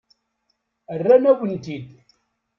Rran-awen-tent-id.